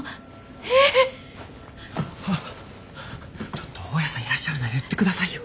ちょっと大家さんいらっしゃるなら言って下さいよ。